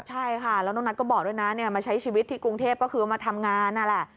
ใช่ค่ะแล้วน้องนัทก็บอกด้วยนะมาใช้ชีวิตที่กรุงเทพก็คือมาทำงานนั่นแหละ